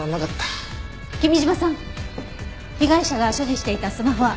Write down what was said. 君嶋さん被害者が所持していたスマホは？